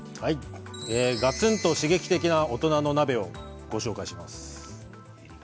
がつんと刺激的な大人の鍋をご紹介します。